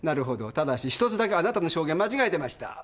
ただし１つだけあなたの証言間違えてました。